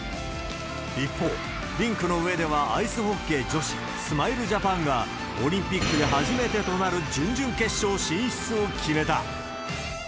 一方、リンクの上ではアイスホッケー女子、スマイルジャパンがオリンピックで初めてとなる準々決勝進出を決めた。